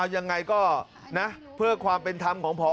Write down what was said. ยังไงก็นะเพื่อความเป็นธรรมของพอ